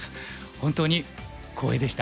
本当に光栄でした。